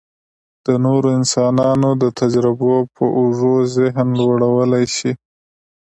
د نورو انسانانو د تجربو په اوږو ذهن لوړولی شي.